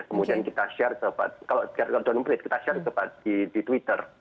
kemudian kita share kepada kalau tidak ada yang meminta kita share kepada di twitter